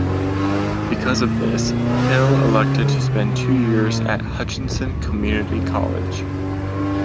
Because of this, Hill elected to spend two years at Hutchinson Community College.